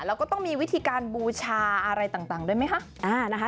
แล้วก็ต้องมีวิธีการบูชาอะไรต่างด้วยไหมคะ